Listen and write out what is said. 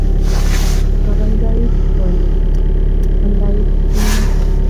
Maibaibait konyek anganik chuno